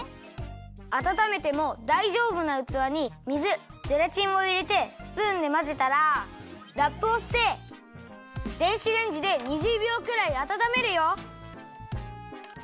あたためてもだいじょうぶなうつわに水ゼラチンをいれてスプーンでまぜたらラップをして電子レンジで２０びょうくらいあたためるよ。